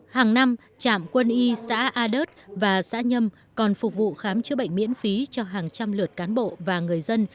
hàng năm trạm quân y xã a đớt và xã nhâm còn phục vụ khám chữa bệnh miễn phí cho hàng trăm lượt cán bộ và người dân